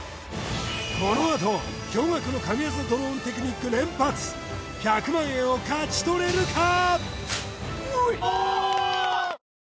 このあと驚がくの神業のドローンテクニック連発１００万円を勝ちとれるか？